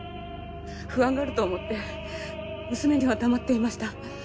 不安がると思って娘には黙っていました。